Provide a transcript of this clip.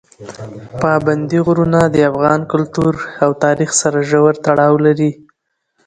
پابندي غرونه د افغان کلتور او تاریخ سره ژور تړاو لري.